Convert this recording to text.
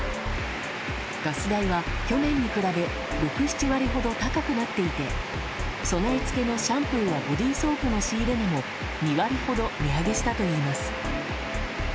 ガス代は去年に比べ６７割ほど高くなっていて、備え付けのシャンプーやボディーソープの仕入れ値も２割ほど値上げしたといいます。